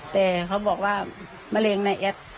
แต่เขาบอกว่ามะเร็งในแอป